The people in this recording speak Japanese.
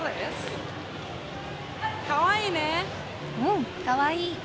うんかわいい。